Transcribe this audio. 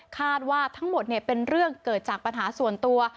คาดว่าทั้งหมดเป็นเรื่องเกิดจากปัญหาส่วนตัว